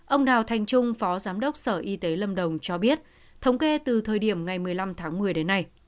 ông đào thanh trung phó giám đốc sở y tế lâm đồng cho biết thống kê từ thời điểm ngày một mươi năm tháng một mươi đến nay